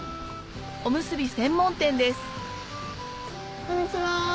おむすび専門店ですこんにちは。